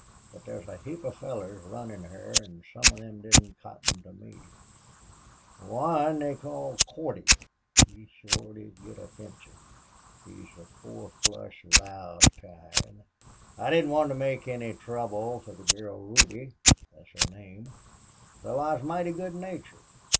But there's a heap of fellers runnin' her an' some of them didn't cotton to me. One they called Cordy he shore did get offensive. He's the four flush, loud kind. I didn't want to make any trouble for the girl Ruby thet's her name so I was mighty good natured....